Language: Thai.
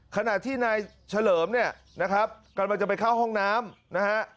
ขณะที่นายเฉลิมเนี่ยนะครับกำลังจะไปเข้าห้องน้ำนะฮะ